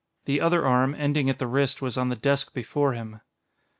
The other arm, ending at the wrist, was on the desk before him.